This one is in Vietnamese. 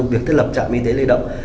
việc thiết lập trạm y tế lây động